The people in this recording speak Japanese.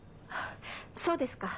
そうですか。